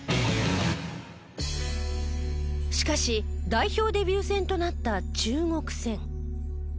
しかし代表デビュー戦となった中国戦。